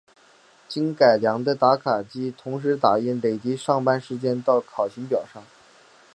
经改良的打卡机同时打印累计上班时间到考勤表上。